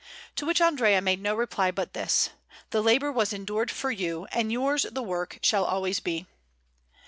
To which Andrea made no reply but this: "The labour was endured for you, and yours the work shall always be."